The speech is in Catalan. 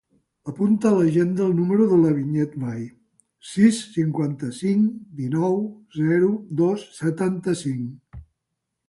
Apunta a l'agenda el número de la Vinyet Vall: sis, cinquanta-cinc, dinou, zero, dos, setanta-cinc.